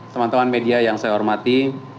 teman teman media yang saya hormati